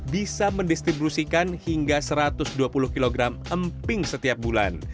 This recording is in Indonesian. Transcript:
bisa mendistribusikan hingga satu ratus dua puluh kg emping setiap bulan